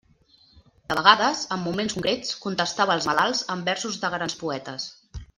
De vegades, en moments concrets, contestava als malalts amb versos de grans poetes.